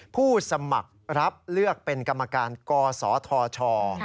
ผู้สมัครรับเลือกเป็นกรรมการกศธช